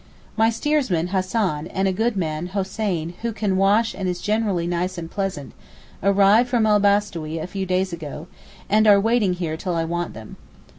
My steersman Hassan, and a good man, Hoseyn, who can wash and is generally nice and pleasant, arrived from el Bastowee a few days ago, and are waiting here till I want them.